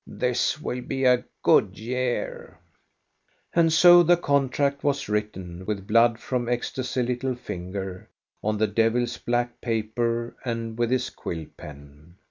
This will be a good year. " And so the contract was written, with blood from Gosta's little finger, on the devil's black paper and with his quill pen.